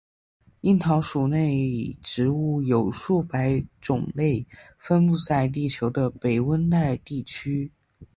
樱桃属内植物有数百种类分布在地球的北温带地区。